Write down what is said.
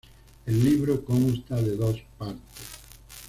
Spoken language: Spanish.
El libro consta de dos partes.